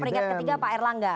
peringkat ketiga pak erlangga